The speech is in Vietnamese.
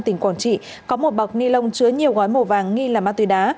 tỉnh quảng trị có một bọc ni lông chứa nhiều gói màu vàng nghi là ma túy đá